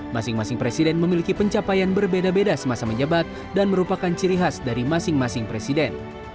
masing masing presiden memiliki pencapaian berbeda beda semasa menjabat dan merupakan ciri khas dari masing masing presiden